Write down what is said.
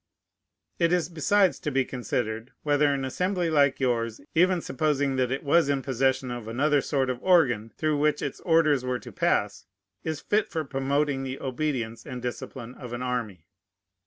It is besides to be considered, whether an Assembly like yours, even supposing that it was in possession of another sort of organ, through which its orders were to pass, is fit for promoting the obedience and discipline of an army.